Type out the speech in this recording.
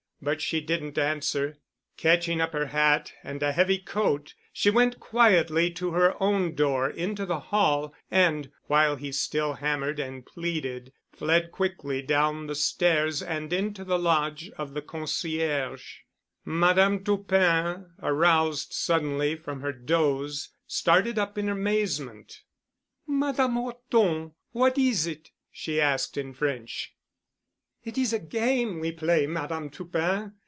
But she didn't answer. Catching up her hat and a heavy coat, she went quietly to her own door into the hall, and, while he still hammered and pleaded, fled quickly down the stairs and into the lodge of the concierge. Madame Toupin, aroused suddenly from her doze, started up in amazement. "Madame Horton, what is it?" she asked in French. "It is a game we play, Madame Toupin.